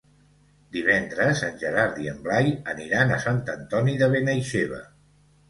Divendres en Gerard i en Blai aniran a Sant Antoni de Benaixeve.